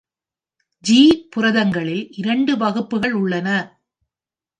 G புரதங்களில் இரண்டு வகுப்புகள் உள்ளன.